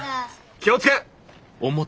気をつけ！